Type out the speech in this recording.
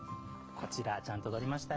こちら、ちゃんと撮りましたよ。